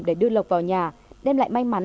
để đưa lộc vào nhà đem lại manh mắn